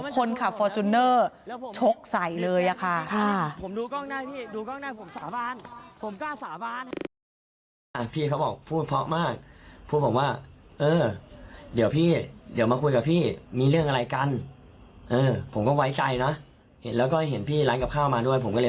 คนขับฟอร์จูเนอร์ชกใส่เลยอะค่ะ